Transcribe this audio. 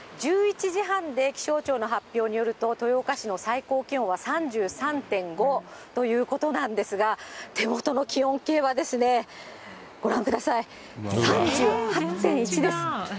１１時半で、気象庁の発表によると、豊岡市の最高気温は３３．５ということなんですが、手元の気温計は、ご覧ください、３８．１です。